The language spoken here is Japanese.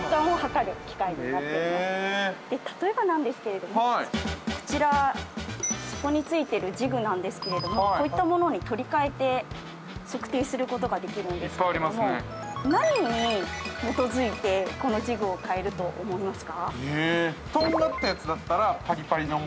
例えばなんですけれどもこちらそこに付いているジグなんですけれどもこういったものに取り換えて測定する事ができるんですけれども何に基づいてこのジグを換えると思いますか？